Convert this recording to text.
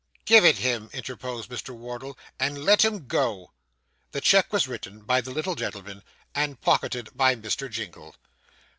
'Give it him,' interposed Mr. Wardle, 'and let him go.' The cheque was written by the little gentleman, and pocketed by Mr. Jingle.